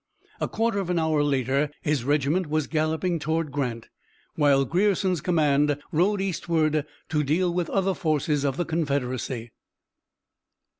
A quarter of an hour later his regiment was galloping toward Grant, while Grierson's command rode eastward to deal with other forces of the Confederacy.